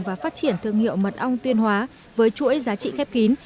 và phát triển thương hiệu mật ong tuyên hóa với chuỗi giá trị khép kín